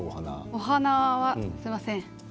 お花はすみません